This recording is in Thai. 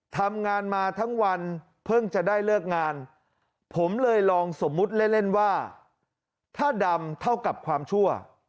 ทำงานมาทั้งวันเพิ่งจะได้เลิกงานผมเลยลองสมมุติเล่นเล่นว่าถ้าดำเท่ากับความชั่ว